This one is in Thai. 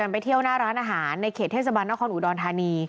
เพราะผมก็ให้